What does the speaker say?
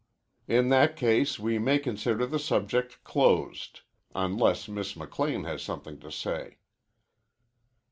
"In that case we may consider the subject closed, unless Miss McLean has something to say."